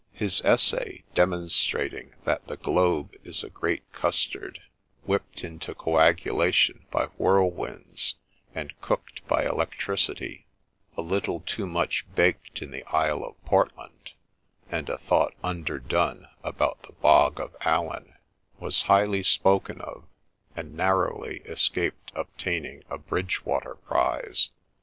His essay, demonstrating that the globe is a great custard, whipped into coagulation by whirlwinds, and cooked by elec tricity,— a little too much baked in the Isle of Portland, and a thought underdone about the Bog of Allen, — was highly spoken of, and narrowly escaped obtaining a Bridgewater prize.